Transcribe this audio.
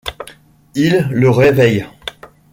Ils le réveillent.